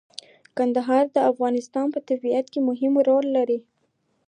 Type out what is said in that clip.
کندهار د افغانستان په طبیعت کې مهم رول لري.